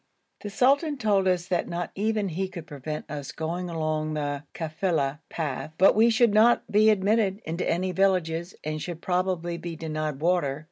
The sultan told us that not even he could prevent us going along the kafila path, but we should not be admitted into any villages and should probably be denied water.